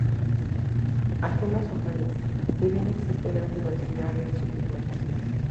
Algunas son verdes, si bien existe gran diversidad en su pigmentación.